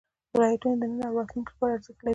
ولایتونه د نن او راتلونکي لپاره ارزښت لري.